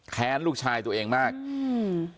แค้นลูกชายตัวเองมากอืม